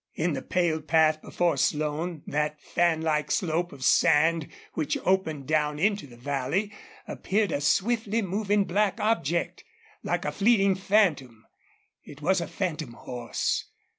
In the pale path before Slone, that fanlike slope of sand which opened down into the valley, appeared a swiftly moving black object, like a fleeting phantom. It was a phantom horse.